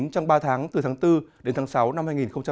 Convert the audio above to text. trong ba tháng từ tháng bốn đến tháng sáu năm hai nghìn hai mươi